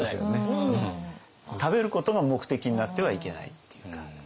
食べることが目的になってはいけないっていうか。